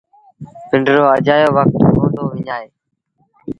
پنڊرو اَجآيو وکت ڪونا دو وڃآئي